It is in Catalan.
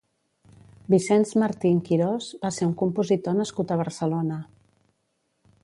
Vicenç Martín Quirós va ser un compositor nascut a Barcelona.